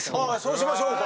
そうしましょうか。